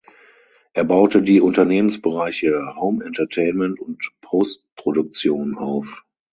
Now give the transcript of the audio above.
Er baute die Unternehmensbereiche Home Entertainment und Postproduktion auf.